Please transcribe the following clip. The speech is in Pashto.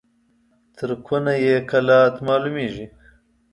تر کونه يې کلات معلومېږي.